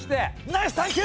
ナイス探究！